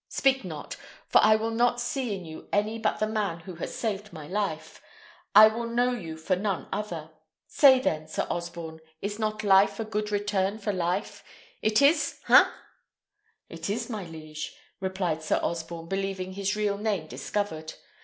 Speak not, for I will not see in you any but the man who has saved my life; I will know you for none other. Say, then, Sir Osborne, is not life a good return for life? It is? ha?" "It is, my liege," replied Sir Osborne, believing his real name discovered.